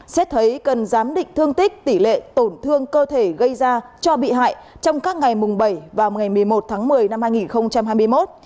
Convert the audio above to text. xét thấy cần giám định thương tích tỷ lệ tổn thương cơ thể gây ra cho bị hại trong các ngày mùng bảy và ngày một mươi một tháng một mươi năm hai nghìn hai mươi một